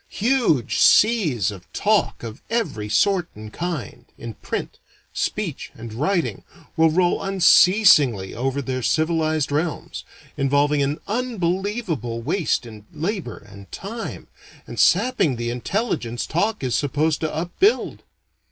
Huge seas of talk of every sort and kind, in print, speech, and writing, will roll unceasingly over their civilized realms, involving an unbelievable waste in labor and time, and sapping the intelligence talk is supposed to upbuild.